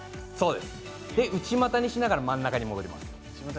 内股にしながら真ん中に戻ります。